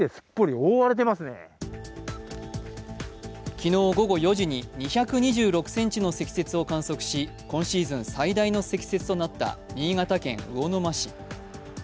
昨日午後４時に２２６ｃｍの積雪を観測し今シーズン最大の積雪となった新潟県魚沼市。